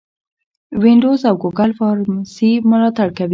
وینډوز او ګوګل فارسي ملاتړ کوي.